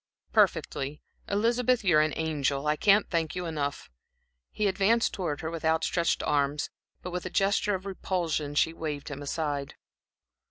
"Perfectly. Elizabeth, you are an angel. I can't thank you enough." He advanced towards her with outstretched arms, but with a gesture of repulsion she waved him aside.